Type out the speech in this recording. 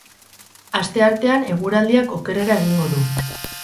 Asteartean eguraldiak okerrera egingo du.